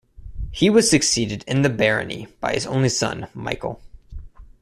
He was succeeded in the barony by his only son Michael.